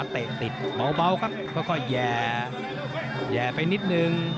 เตะติดเบาครับค่อยแห่ไปนิดนึง